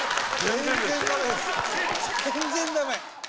全然ダメ。